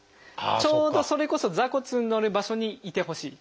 ちょうどそれこそ座骨にのる場所にいてほしい。